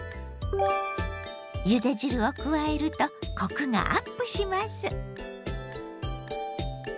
ゆで汁を加えるとコクがアップします。